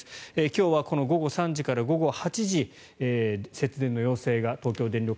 今日は午後３時から午後８時節電の要請が東京電力